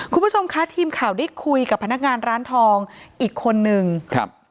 คุณผู้ชมคะทีมข่าวได้คุยกับพนักงานร้านทองอีกคนนึงครับ